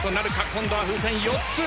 今度は風船４つ。